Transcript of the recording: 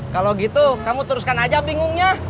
kalau gitu kamu teruskan aja bingungnya